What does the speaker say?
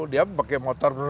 dia pakai motor